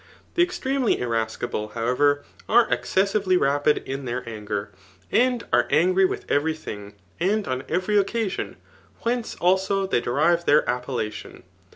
The extremely irascible, however, are excessivdy rapid in their anger, and are angry with every thing, and on every occamon, whence, also, they derive their appel*> lation.